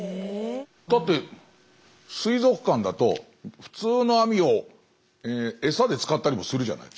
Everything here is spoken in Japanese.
だって水族館だと普通のアミを餌で使ったりもするじゃない。